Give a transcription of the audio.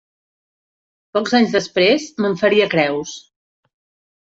Pocs anys després, me'n faria creus.